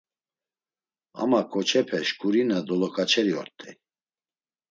Ama ǩoçepe şǩurina doloǩaçeri ort̆ey.